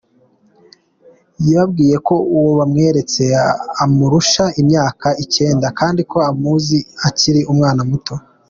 Yababwiye ko uwo bamweretse amurusha imyaka icyenda kandi ko amuzi akiri umwana muto.